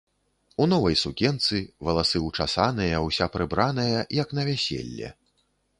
У новай сукенцы, валасы ўчасаныя, уся прыбраная, як на вяселле.